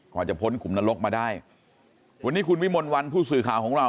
จะพ้นขุมนรกมาได้วันนี้คุณวิมลวันผู้สื่อข่าวของเรา